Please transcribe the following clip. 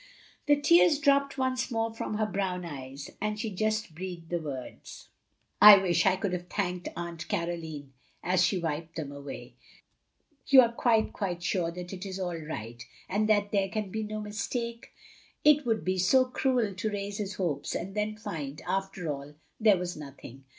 The tears dropped once more from her brown eyes, and she just breathed the words, "I wish 70 THE LONELY LADY I could have thanked Atint Caroline," as she wiped them away. "You are quite, quite stire that it is all right, and that there can be no mistake ? It would be so cruel to raise his hopes, and then find, after all, there was nothing.